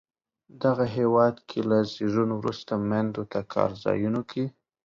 دغه هېواد کې له زیږون وروسته میندو ته کار ځایونو کې